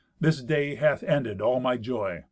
This day hath ended all my joy.